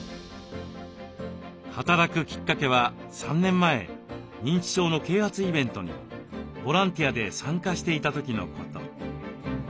働くきっかけは３年前認知症の啓発イベントにボランティアで参加していた時のこと。